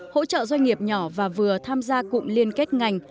hỗ trợ doanh nghiệp nhỏ và vừa tham gia cụm liên kết ngành